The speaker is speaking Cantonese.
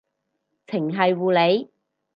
程繫護理